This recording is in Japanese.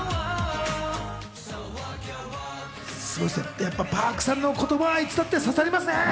やっぱりＰａｒｋさんのお言葉はいつだって刺さりますね。